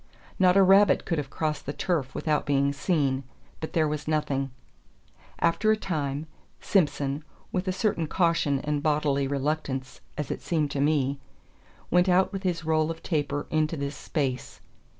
Not a rabbit could have crossed the turf without being seen; but there was nothing. After a time, Simson, with a certain caution and bodily reluctance, as it seemed to me, went out with his roll of taper into this space.